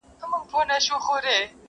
ما وعده د بل دیدار درنه غوښتلای!!